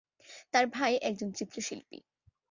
তার ভাই একজন চিত্রশিল্পী।